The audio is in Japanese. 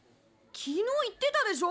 昨日言ってたでしょ！？